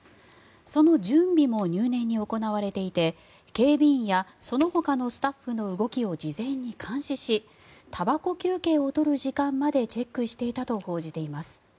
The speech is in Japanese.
その準備も入念に行われていて警備員やそのほかのスタッフの動きを事前に監視したばこ休憩を取る時間までチェックしていたと報じています。